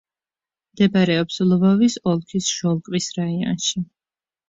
მდებარეობს ლვოვის ოლქის ჟოლკვის რაიონში.